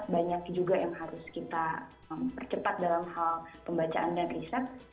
banyak juga yang harus kita percepat dalam hal pembacaan dan riset